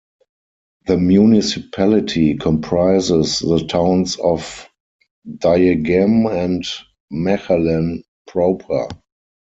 The municipality comprises the towns of Diegem and Machelen proper.